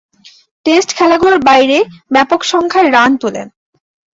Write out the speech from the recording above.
Test খেলাগুলোর বাইরে ব্যাপকসংখ্যায় রান তুলেন।